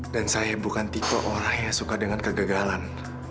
dan saya bukan tipe orang yang suka dengan kegagalan